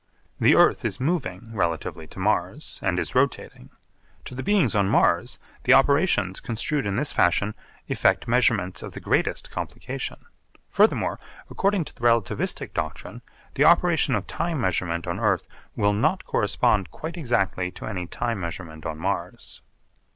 The earth is moving relatively to Mars and is rotating. To the beings on Mars the operations, construed in this fashion, effect measurements of the greatest complication. Furthermore, according to the relativistic doctrine, the operation of time measurement on earth will not correspond quite exactly to any time measurement on Mars.